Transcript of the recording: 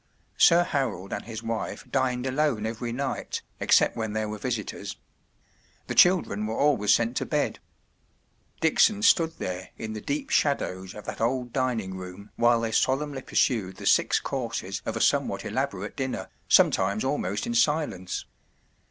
Sir Harold and his wife dined alone every night, except when there were visitors. The children were always sent to bed. Dickson stood there in the deep shadows of that old dining room while they solemnly pursued the six courses of a some¬ what elaborate dinner, sometimes almost in silence.